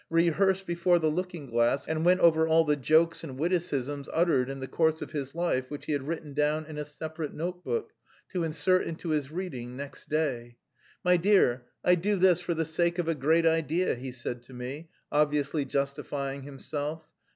rehearsed before the looking glass and went over all the jokes and witticisms uttered in the course of his life which he had written down in a separate notebook, to insert into his reading next day. "My dear, I do this for the sake of a great idea," he said to me, obviously justifying himself.